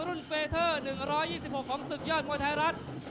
รุ่นเฟเทอร์๑๒๖ของศึกยอดมวยไทยรัฐ